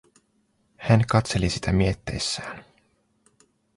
Hän katseli sitä mietteissään.